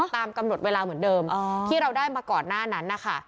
ตามกำหนดเวลาเหมือนเดิมที่เราได้มาก่อนหน้านั้นนะคะ